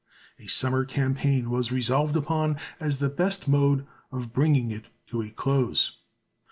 A summer campaign was resolved upon as the best mode of bringing it to a close.